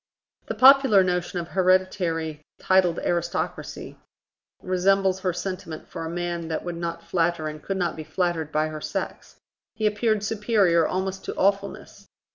The popular notion of hereditary titled aristocracy resembles her sentiment for a man that would not flatter and could not be flattered by her sex: he appeared superior almost to awfulness.